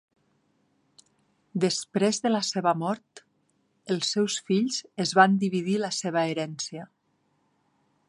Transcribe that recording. Després de la seva mort, els seus fills es van dividir la seva herència.